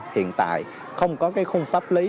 hiện tại không có cái khung pháp lý